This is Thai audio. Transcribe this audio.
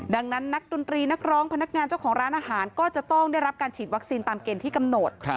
ดังนั้นนักดนตรีนักร้องพนักงานเจ้าของร้านอาหารก็จะต้องได้รับการฉีดวัคซีนตามเกณฑ์ที่กำหนด